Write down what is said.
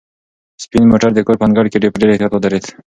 سپین موټر د کور په انګړ کې په ډېر احتیاط ودرېد.